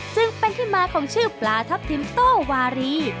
จึงเป็นที่มาของชื่อปลาทัพทิมโต้วารี